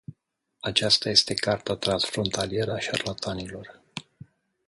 Aceasta este carta transfrontalieră a șarlatanilor.